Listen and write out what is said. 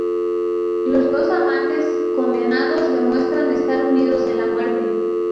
Los dos amantes condenados, demuestran estar unidos en la muerte.